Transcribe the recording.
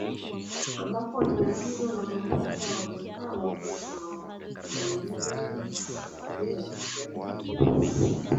Ambapo eneo hilo la mombasa wamekaa watu wanaoonge lugha ya kiswahili